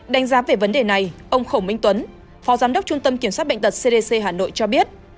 đánh giá về vấn đề này ông khổng minh tuấn phó giám đốc trung tâm kiểm soát bệnh tật cdc hà nội cho biết